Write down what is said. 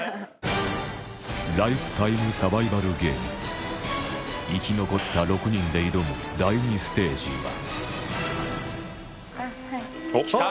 ライフタイムサバイバルゲーム生き残った６人で挑むおっ来た！